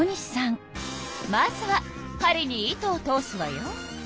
まずは針に糸を通すわよ。